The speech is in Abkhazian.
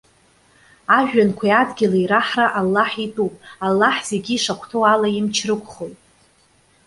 Ажәҩанқәеи адгьыли раҳра Аллаҳ итәуп. Аллаҳ зегьы ишахәҭоу ала имч рықәхоит.